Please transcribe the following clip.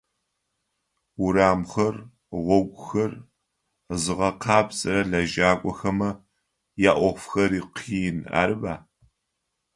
Урамхэр, гъогухэр зыгъэкъэбзэрэ лэжьакӏохэмэ яӏофхэри къины, арыба?